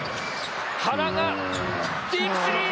原がディープスリー！